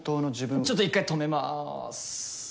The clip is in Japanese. ちょっと１回止めます。